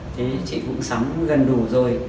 thế chị cũng sắm gần đủ rồi